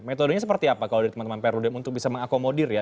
metodenya seperti apa kalau dari teman teman perudem untuk bisa mengakomodir ya